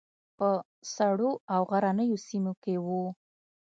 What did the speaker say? په سړو او غرنیو سیمو کې وو.